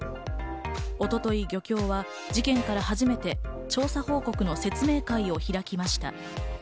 一昨日、漁協は事件から初めて調査報告の説明会を開きました。